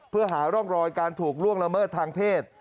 เพื่อหาร่องรอยการถูกล่วงละเมิดทางเพศ